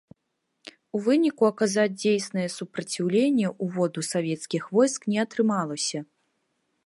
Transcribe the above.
У выніку аказаць дзейснае супраціўленне ўводу савецкіх войск не атрымалася.